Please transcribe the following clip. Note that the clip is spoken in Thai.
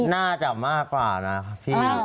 น่าจะมากกว่านะครับพี่